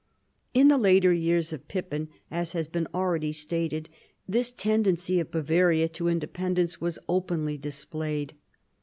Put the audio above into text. In the later 3'^ ears of Pippin, as has been already stated, this tendency of Bavaria to independence was openly displayed.